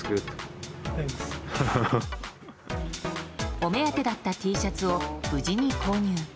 お目当てだったＴシャツを無事に購入。